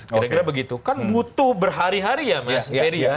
kira kira begitu kan butuh berhari hari ya mas ferry ya